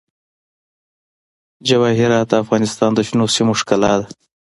جواهرات د افغانستان د شنو سیمو ښکلا ده.